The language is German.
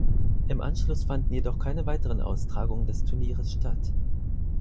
Im Anschluss fanden jedoch keine weiteren Austragungen des Turnieres statt.